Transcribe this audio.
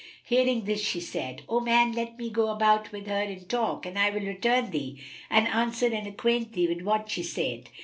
Hearing this she said, "O man, let me go about with her in talk and I will return thee and answer and acquaint thee with what she saith.